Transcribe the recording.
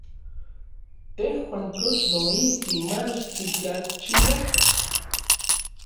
¿Tejuan kox noijki mach titlachiaj?